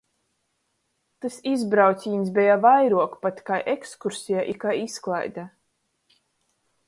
Tys izbraucīņs beja vairuok pat kai ekskurseja un kai izklaide.